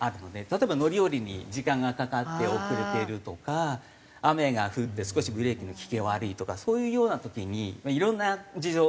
例えば乗り降りに時間がかかって遅れてるとか雨が降って少しブレーキの利きが悪いとかそういうような時にいろんな事情があって。